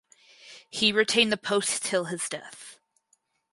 He retained the post till his death.